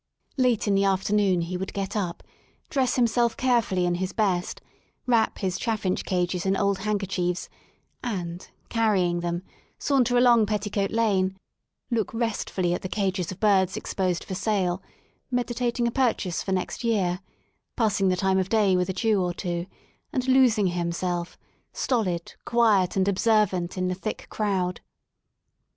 Late in the afternoon he would get up, dress himself carefully in his best; wrap his chaffinch cages in old handker chiefs, and, carrying them, saunter along Petticoat Lane, look restfully at the cages of birds exposed for sale, meditating a purchase for next year, passing the time of day with a Jew or two, and losing himself, stolid, quiet, and observant, in the thick crowd.